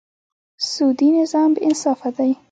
سودي نظام بېانصافه دی.